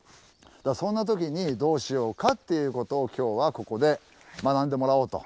そんなときにどうしようかっていうことを今日はここで学んでもらおうと！